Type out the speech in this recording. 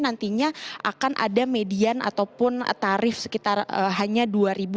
nantinya akan ada median ataupun tarif sekitar hanya dua